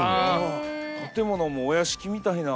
建物もお屋敷みたいな。